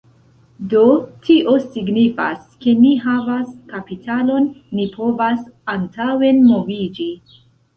Do, tio signifas, ke ni havas kapitalon ni povas antaŭenmoviĝi